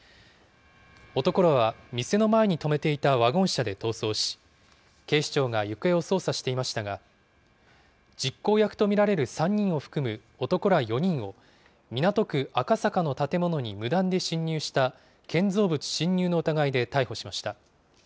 男らは店の前に止めていたワゴン車で逃走し、警視庁が行方を捜査していましたが、実行役と見られる３人を含む男ら４人を、港区赤坂の建物に無断で侵入した建造物侵入の疑いで逮捕しました。